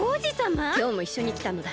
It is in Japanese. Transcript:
きょうもいっしょにきたのだ。